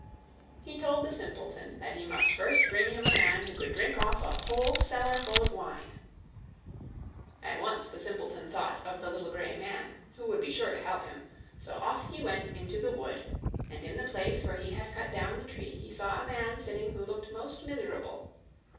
He told the Simpleton that he must first bring him a man who could drink off a whole cellarful of wine. At once the Simpleton thought of the little grey man, who would be sure to help him, so off he went into the wood, and in the place where he had cut down the tree he saw a man sitting who looked most miserable.